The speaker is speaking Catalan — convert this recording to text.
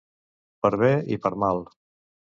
Per bé i per mal.